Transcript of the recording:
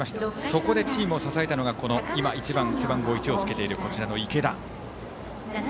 そこでチームを支えたのが背番号１をつけている池田。